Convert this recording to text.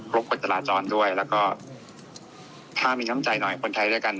กฎจราจรด้วยแล้วก็ถ้ามีน้ำใจหน่อยคนไทยด้วยกัน